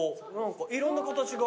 いろんな形が。